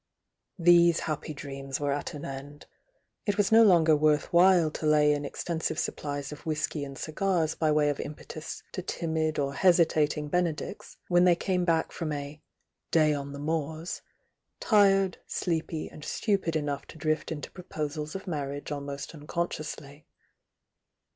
These happy dreams were at an end. It was no longer worth while to lay in extensive supplies of whisky and cigars by way of impetus to timid or hesitating Ben edicts, when they came back from a "day on the moors," tired, sleepy and stupid enough to drift into proposals of marriage almost unconsciously.